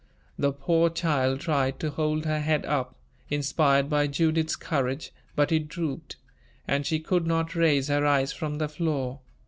The poor child tried to hold her head up, inspired by Judith's courage, but it drooped, and she could not raise her eyes from the floor.